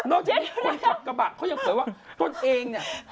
นอกจากมีคนขับกระบะเค้ายังเผยว่าตัวเองเนี่ย